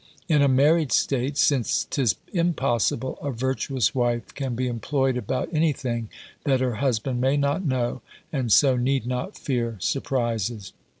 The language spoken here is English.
"in a married state, since 'tis impossible a virtuous wife can be employed about any thing that her husband may not know, and so need not fear surprises."